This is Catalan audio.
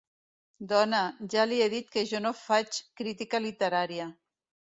Dona, ja li he dit que jo no faig crítica literària.